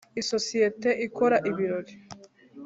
isosiyete ikora ibirori